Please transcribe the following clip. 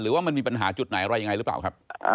ว่ามันมีปัญหาจุดไหนอะไรยังไงหรือเปล่าครับ